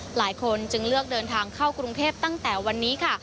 หลายคนจึงเลือกเดินทางเข้ากรุงเทพตั้งแต่วันนี้ค่ะ